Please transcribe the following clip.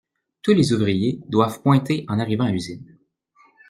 Tous les ouvriers doivent pointer en arrivant à l'usine.